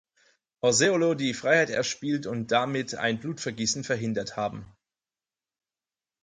Orseolo die Freiheit erspielt und damit ein Blutvergießen verhindert haben.